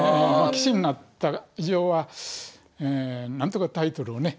棋士になった以上はなんとかタイトルをね